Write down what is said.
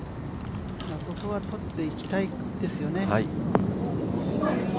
ここはとっていきたいですよね。